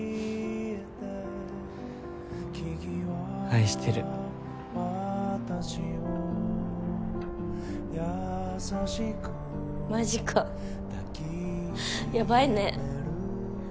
愛してるマジかやばいね。